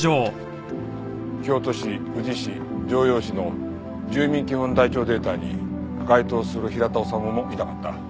京都市宇治市城陽市の住民基本台帳データに該当する平田治もいなかった。